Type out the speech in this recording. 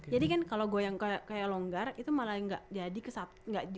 jadi kan kalo goyang kayak longgar itu malah gak jadi kesap